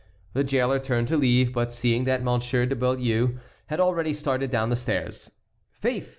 The jailer turned to leave, but seeing that Monsieur de Beaulieu had already started down the stairs: "Faith!